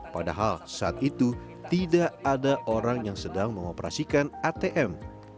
padahal saat itu tidak ada orang yang sedang mengoperasikan atm